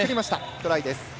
トライです。